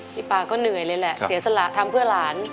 ปาก็เหนื่อยเลยแหละเสียสละทำเพื่อหลาน